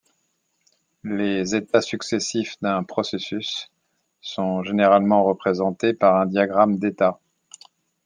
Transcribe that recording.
Les états successifs d'un processus sont généralement représentées par un diagramme d'état.